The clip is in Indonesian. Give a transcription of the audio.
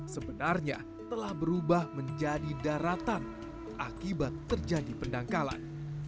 sebenarnya telah berubah menjadi daratan akibat terjadi pendangkalan